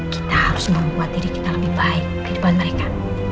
kita harus membuat diri kita lebih baik kehidupan mereka